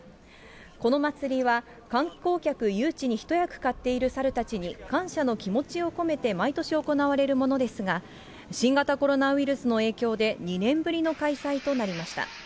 この祭りは、観光客誘致に一役買っているサルたちに、感謝の気持ちを込めて毎年行われるものですが、新型コロナウイルスの影響で、２年ぶりの開催となりました。